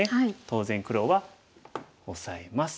当然黒はオサえます。